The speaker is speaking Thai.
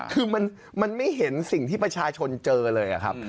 คือมันไม่เห็นสิ่งที่ประชาชนเจอเลยอะครับ